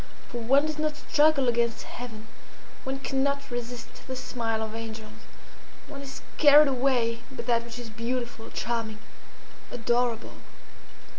For one does not struggle against Heaven; one cannot resist the smile of angels; one is carried away by that which is beautiful, charming, adorable."